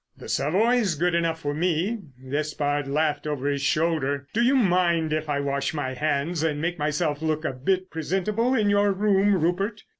"The Savoy's good enough for me," Despard laughed over his shoulder. "Do you mind if I wash my hands and make myself look a bit presentable in your room, Rupert?"